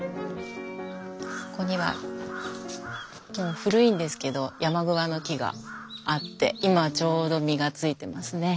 ここには古いんですけど山桑の木があって今ちょうど実がついてますね。